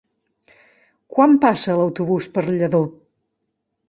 Quan passa l'autobús per Lladó?